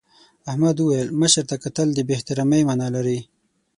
احمد وویل مشر ته کتل د بې احترامۍ مانا لري.